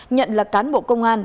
nhận là cán bộ công an